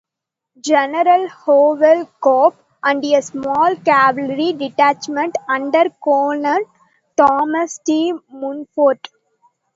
General Howell Cobb, and a small cavalry detachment under Colonel Thomas T. Munford.